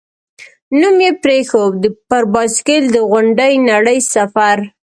نوم یې پرېښود، «پر بایسکل د غونډې نړۍ سفر».